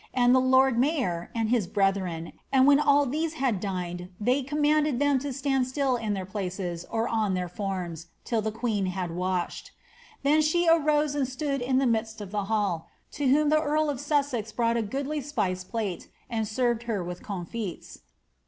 179 md the lord mayor, and his brethren ; and when these had oined, they commanded them to stand still in their places or on their forms, till the queeo had washed. Then she arose and stood in the midst of the hall, . to whom the earl of Sussex hrought a goodly spice plate and served her with comfits.